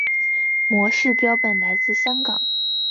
模式标本来自香港。